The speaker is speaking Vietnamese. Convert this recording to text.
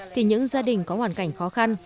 thì những gia đình có hoàn cảnh khó khăn